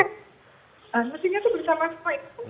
maksudnya itu bersama sama itu